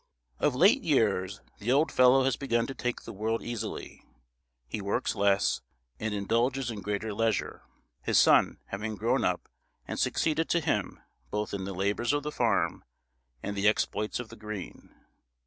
Of late years the old fellow has begun to take the world easily; he works less, and indulges in greater leisure, his son having grown up, and succeeded to him both in the labours of the farm and the exploits of the green.